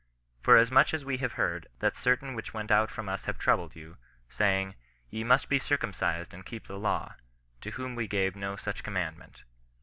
Forasmuch as we have heard, that certain which went out from us have troubled you, say ing. Ye must be circumcised and keep the law ; to whom we gave no such commandment."